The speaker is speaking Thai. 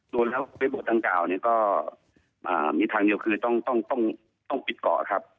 โดยละวิสบุรษอยู่ทางชาวนี้ก็มีทางเดี๋ยวคือต้องปิดก่อครับ